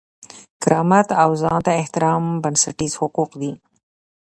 کرامت او ځان ته احترام بنسټیز حقوق دي.